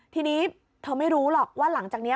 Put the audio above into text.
ทีนี้เธอไม่รู้หรอกว่าหลังจากนี้